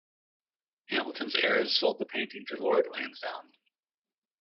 Hamilton's heirs sold the painting to Lord Lansdowne.